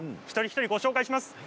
一人一人、ご紹介します。